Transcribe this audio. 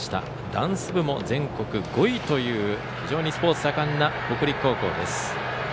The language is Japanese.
ダンス部も全国５位という非常にスポーツが盛んな北陸高校です。